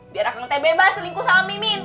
biar aku bebas selingkuh sama mimin